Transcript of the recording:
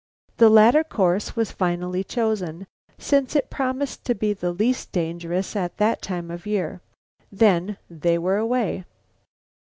The latter course was finally chosen, since it promised to be the least dangerous at that time of the year. Then they were away.